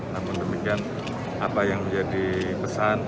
namun demikian apa yang menjadi pesan